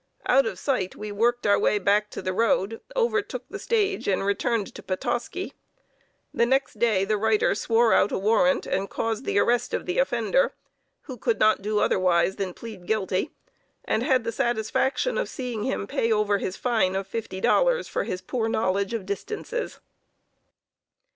Out of sight we worked our way back to the road, overtook the stage and returned to Petoskey. The next day the writer swore out a warrant and caused the arrest of the offender, who could not do otherwise than plead guilty, and had the satisfaction of seeing him pay over his fine of $50 for his poor knowledge of distances.